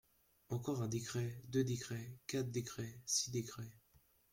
Encore un décret, deux décrets, quatre décrets, six décrets…